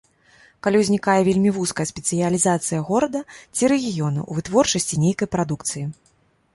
Калі ўзнікае вельмі вузкая спецыялізацыя горада ці рэгіёна ў вытворчасці нейкай прадукцыі.